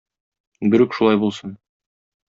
Берүк шулай булсын!